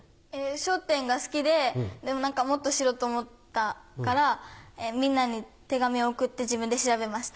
『笑点』が好きででももっと知ろうと思ったからみんなに手紙を送って自分で調べました。